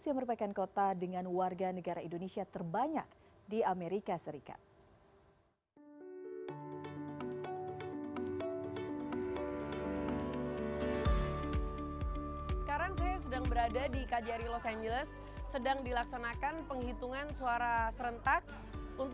yang merupakan kota dengan warga negara indonesia terbanyak di amerika serikat